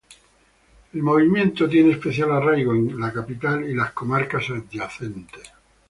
El movimiento tiene especial arraigo en la capital y las comarcas adyacentes.